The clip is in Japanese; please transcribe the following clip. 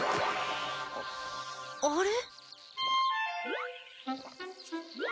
あれ？